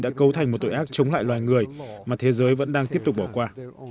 đã cấu thành một tội ác chống lại loài người mà thế giới vẫn đang tiếp tục bỏ qua